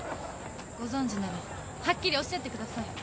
ご存じならはっきりおっしゃってください。